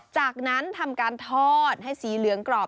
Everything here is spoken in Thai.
จากนั้นทำการทอดให้สีเหลืองกรอบ